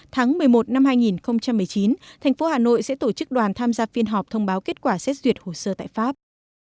tháng một mươi một năm hai nghìn một mươi chín thành phố hà nội sẽ tổ chức đoàn tham gia phiên họp thông báo kết quả xét duyệt hồ sơ tại pháp